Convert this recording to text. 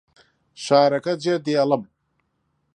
شارەکە جێدێڵم.